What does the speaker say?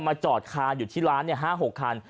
มาจอดคาอยู่ที่ร้านเนี่ย๕๖คัน